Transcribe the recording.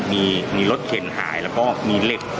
มีรถเข็นหายแล้วก็มีเหล็ก